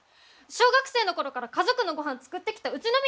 小学生の頃から家族のごはん作ってきたうちの身にもなって！